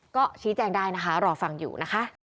ก็ชี้แจงได้นะคะรอฟังอยู่นะคะ